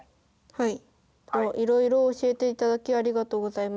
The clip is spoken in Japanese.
はい。